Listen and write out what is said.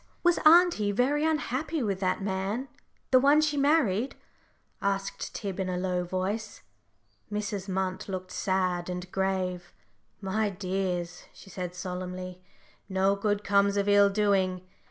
"Was auntie very unhappy with that man the one she married?" asked Tib in a low voice. Mrs. Munt looked sad and grave. "My dears," she said, solemnly, "no good comes of ill doing.